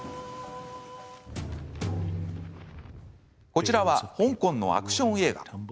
こちらは香港のアクション映画。